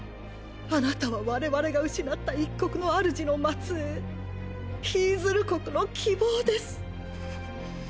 あなたは我々が失った一国の主の末裔ヒィズル国の希望です！